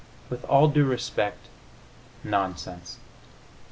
With all due respect, Nonsense!